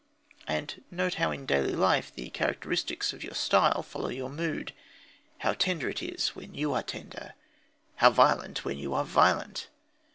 And note how in daily life the characteristics of your style follow your mood; how tender it is when you are tender, how violent when you are violent.